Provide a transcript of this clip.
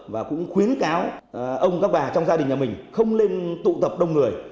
và trong gia đình nhà mình không nên tụ tập đông người